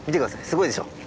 すごいでしょ。